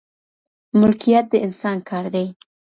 ملکیت د انسان کار دی.